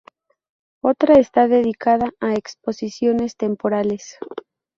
Otra está dedicada a exposiciones temporales.